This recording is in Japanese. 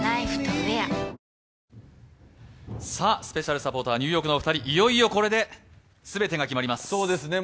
スペシャルサポーター、ニューヨークのお二人、いよいよ、これですべてが決まります。